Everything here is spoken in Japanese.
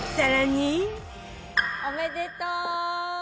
おめでとう！